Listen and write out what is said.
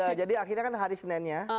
ya jadi akhirnya kan hari seninnya